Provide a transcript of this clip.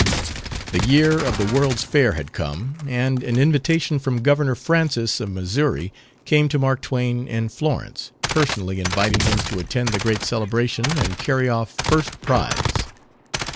The year of the World's Fair had come, and an invitation from Gov. Francis, of Missouri, came to Mark Twain in Florence, personally inviting him to attend the great celebration and carry off first prize.